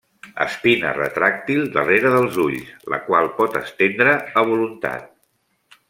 Espina retràctil darrere dels ulls, la qual pot estendre a voluntat.